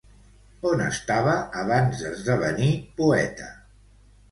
On estava abans d'esdevenir poeta?